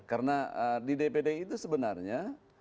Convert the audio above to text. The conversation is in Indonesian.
karena di dpd itu sebenarnya